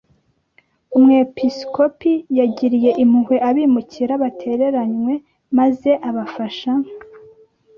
Umwepiskopi yagiriye impuhwe abimukira batereranywe, maze abafasha.